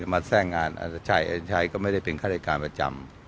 มาแทรกงานใช่ก็ไม่ได้เป็นคลาดิการประจำ